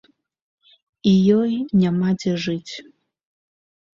І ёй няма дзе жыць.